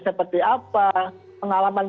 seperti apa pengalaman